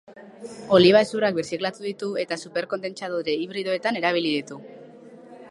Oliba hezurrak birziklatu ditu, eta super-kondentsadore hibridoetan erabili ditu.